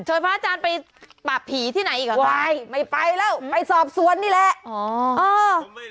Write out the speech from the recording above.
เชิญพระอาจารย์ไปปราบผีอีกละค่ะเว้ยไม่ไปแล้วไปสอบซวนนี่แหละเอ้ย